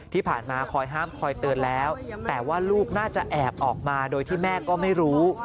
ที่ผ่านมาคอยห้ามคอยเตือนแล้วแต่ว่าลูกน่าจะแอบออกมาโดยที่แม่ก็ไม่รู้